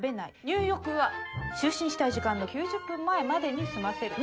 入浴は就寝したい時間の９０分前までに済ませる。